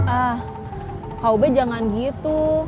ah kau bed jangan gitu